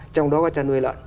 trong đó có cha nuôi lợn